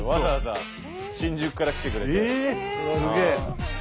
すげえ！